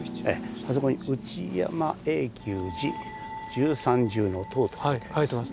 あそこに「内山永久寺十三重塔」と書いてあります。